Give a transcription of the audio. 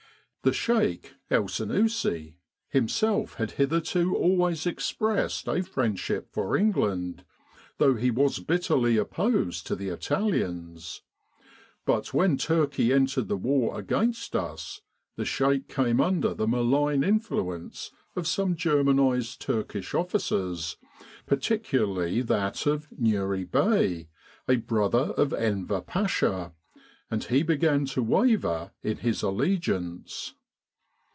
The Sheik, El Sennussi, himself had hitherto always expressed a friendship for England, though he was bitterly opposed to the Italians; but when Turkey entered the war against us, the Sheik came under the malign influence of some Germanised Turkish officers, particularly that of Nuri Bey, a brother of Enver Pasha, and he began to waver in his allegiance.